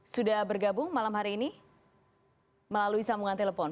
sudah bergabung malam hari ini melalui sambungan telepon